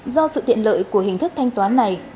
do sự tiện lợi của hình thức thanh toán này